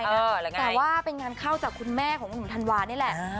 แต่ว่าเป็นงานเข้าจากคุณแม่ของหนุ่มธันวานี่แหละ